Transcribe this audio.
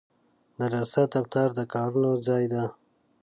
د ریاست دفتر د کارونو ځای دی.